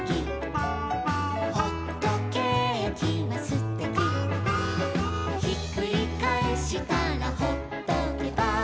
「ほっとけーきはすてき」「ひっくりかえしたらほっとけば」